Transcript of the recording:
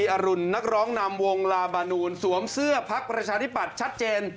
อรุณนักร้องนำวงลาบานูนสวมเสื้อพักประชาธิปัตย์ชัดเจน